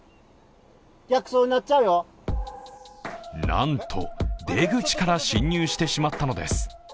なんと出口から進入してしまったのです。